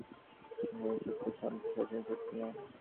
সুতরাং সর্বব্যাপী অনন্তই সত্য, সান্ত সসীম সত্য নয়।